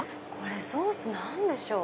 ソース何でしょう？